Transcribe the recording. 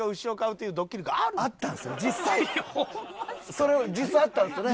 それを実際あったんですよね？